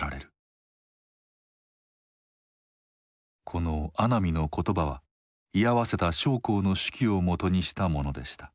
この阿南の言葉は居合わせた将校の手記をもとにしたものでした。